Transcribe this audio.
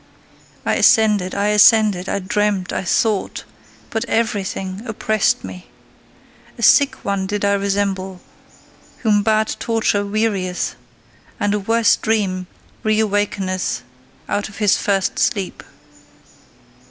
I ascended, I ascended, I dreamt, I thought, but everything oppressed me. A sick one did I resemble, whom bad torture wearieth, and a worse dream reawakeneth out of his first sleep.